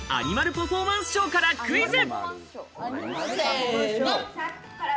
パフォーマンスショーからクイズ。